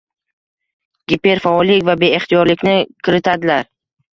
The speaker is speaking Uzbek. giperfaollik va beixtiyoriylikni kiritadilar.